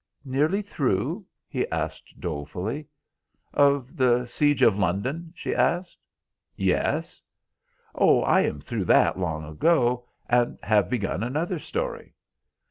"Nearly through?" he asked dolefully. "Of The Siege of London?" she asked. "Yes." "Oh, I am through that long ago, and have begun another story."